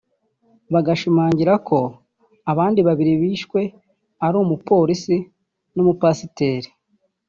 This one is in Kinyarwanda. bagashimangira ko abandi babiri bishwe ari umupolisi n’umupasiteri